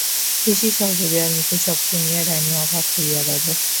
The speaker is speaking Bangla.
শেষে সর্বজয়ার মুখে সব শুনিয়া রানী অবাক হইয়া গেল।